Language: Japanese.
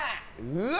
うわ！